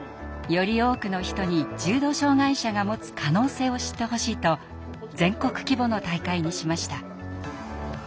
より多くの人に重度障害者が持つ可能性を知ってほしいと全国規模の大会にしました。